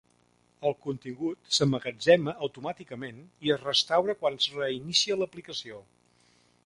El contingut s'emmagatzema automàticament i es restaura quan es reinicia l'aplicació.